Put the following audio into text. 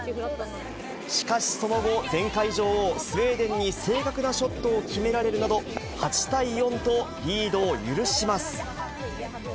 しかしその後、前回女王、スウェーデンに正確なショットを決められるなど、８対４とリードを許します。